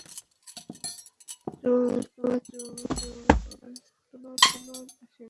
তোমার চুল খুব চিকন, তুলোর আঁশের মতো।